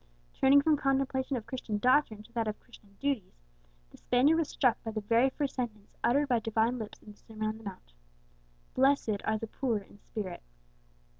Turning from contemplation of Christian doctrine to that of Christian duties, the Spaniard was struck by the very first sentence uttered by Divine lips in the Sermon on the Mount "_Blessed are the poor in spirit.